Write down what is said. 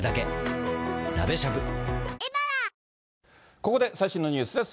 ここで最新のニュースです。